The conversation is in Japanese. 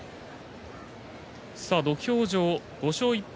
土俵上、５勝１敗